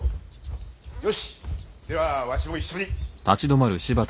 よしっではわしも一緒に。